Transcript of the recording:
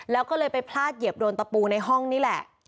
แล้วก็เลยไปพลาดเหยียบโดนตะปูในห้องนี่แหละ